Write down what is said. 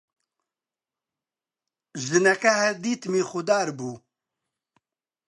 ژنەکە هەر دیتمی خودار بوو: